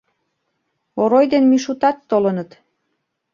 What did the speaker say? Орой ден Мишутат толыныт.